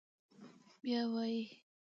بيا وايي: